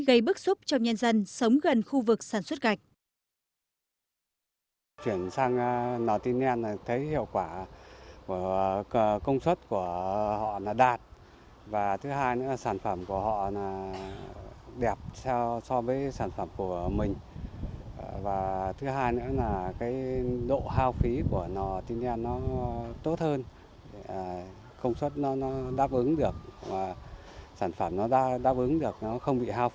gây bức xúc cho nhân dân sống gần khu vực sản xuất gạch